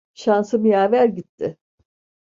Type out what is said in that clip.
Şansım yaver gitti.